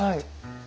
はい。